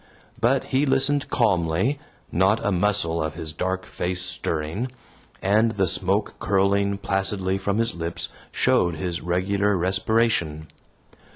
But he listened calmly not a muscle of his dark face stirring and the smoke curling placidly from his lips showed his regular respiration.